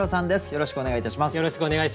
よろしくお願いします。